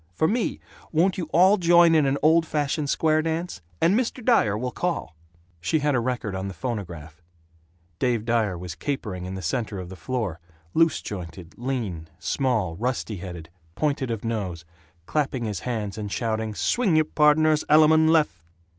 For me, won't you all join in an old fashioned square dance? And Mr. Dyer will call." She had a record on the phonograph; Dave Dyer was capering in the center of the floor, loose jointed, lean, small, rusty headed, pointed of nose, clapping his hands and shouting, "Swing y' pardners alamun lef!"